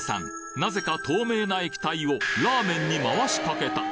なぜか透明な液体をラーメンに回しかけた。